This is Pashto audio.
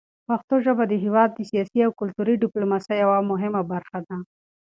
پښتو ژبه د هېواد د سیاسي او کلتوري ډیپلوماسۍ یوه مهمه برخه ده.